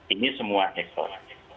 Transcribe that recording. ini semua hekot